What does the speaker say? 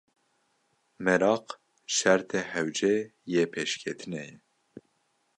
Meraq şertê hewce yê pêşketinê ye.